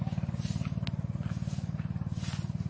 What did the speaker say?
ทุกวันใหม่ทุกวันใหม่